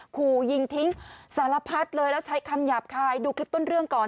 ขู่ยิงทิ้งสารพัดเลยแล้วใช้คำหยาบคายดูคลิปต้นเรื่องก่อน